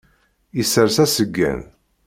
Isers aseggan.